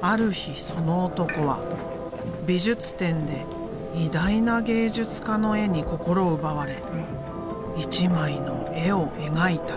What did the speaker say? ある日その男は美術展で偉大な芸術家の絵に心奪われ一枚の絵を描いた。